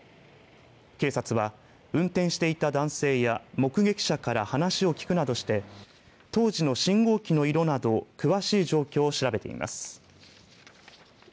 警察は、運転していた男性や目撃者から話を聞くなどして当時の信号機の色など詳しい状況を調べています。